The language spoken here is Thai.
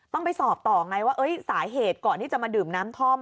ต้องไปสอบต่อไงว่าสาเหตุก่อนที่จะมาดื่มน้ำท่อม